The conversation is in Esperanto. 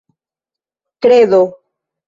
kredo